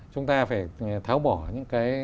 chúng ta phải tháo bỏ những cái